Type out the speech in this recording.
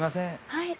はい。